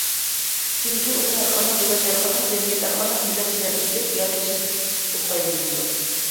چۈنكى ئۇنى ھەرقانداق دۆلەت، ھەرقانداق جەمئىيەت، ھەرقانداق مىللەت شەرتلىك ياكى شەرتسىز ئىشلىتىپ پايدىلىنىدۇ.